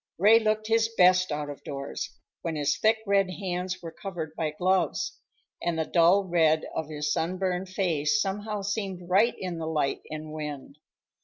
Ray looked his best out of doors, when his thick red hands were covered by gloves, and the dull red of his sunburned face somehow seemed right in the light and wind.